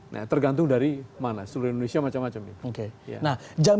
nah tergantung dari mana seluruh indonesia macam macam ini